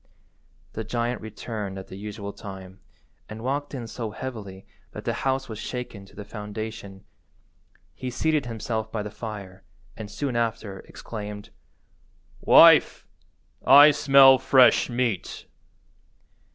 The giant returned at the usual time, and walked in so heavily that the house was shaken to the foundation. He seated himself by the fire, and, soon after, exclaimed— "Wife, I smell fresh meat."